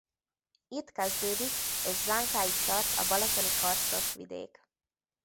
Itt kezdődik és Zánkáig tart a balatoni karsztos vidék.